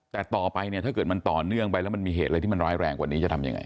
แต่ต่อไปเนี่ยถ้าเกิดมันต่อเนื่องไปแล้วมันมีเหตุอะไรที่มันร้ายแรงกว่านี้จะทำยังไง